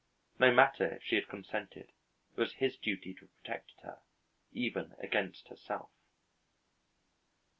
No matter if she had consented, it was his duty to have protected her, even against herself.